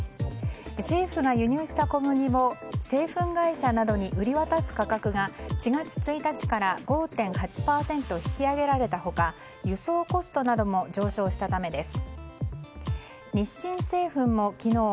政府が輸入した小麦を製粉会社などに売り渡す価格が４月１日から５．８％引き上げられた他輸送コストなども上昇したためです。